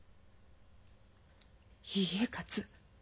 いいえ勝つ。